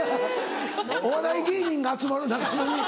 お笑い芸人が集まる中野に。